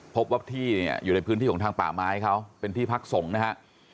พบว่าที่เนี่ยอยู่ในพื้นที่ของทางป่าไม้เขาเป็นที่พักสงฆ์นะฮะ